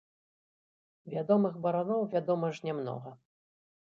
Вядомых бараноў, вядома ж, не многа.